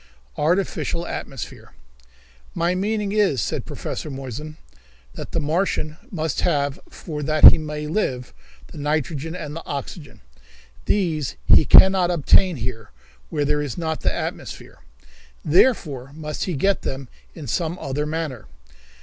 Artificial Atmosphere. "My meaning is," said Professor Moissan, "that the Martian must have, for that he may live, the nitrogen and the oxygen. These can he not obtain here, where there is not the atmosphere. Therefore must he get them in some other manner.